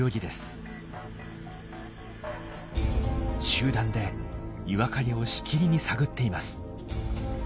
集団で岩陰をしきりに探っています。